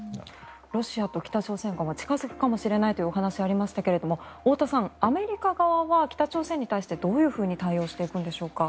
ロシアと北朝鮮が近付くかもしれないという話がありましたが太田さん、アメリカ側は北朝鮮に対してどういうふうに対応していくんでしょうか。